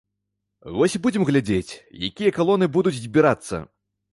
Вось і будзем глядзець, якія калоны будуць збірацца.